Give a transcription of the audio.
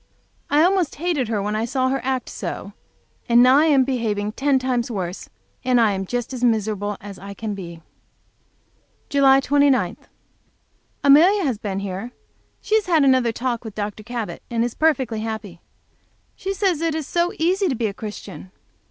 I almost hated her when I saw her act so, and now I am behaving ten times worse and I am just as miserable as I can be. July 29. Amelia has been here. She has had her talk with Dr. Cabot and is perfectly happy. She says it is so easy to be a Christian!